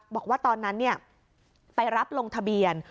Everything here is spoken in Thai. บอกว่าตอนนั้นไปรับลงทะเบียน